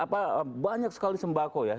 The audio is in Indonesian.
apa banyak sekali sembako ya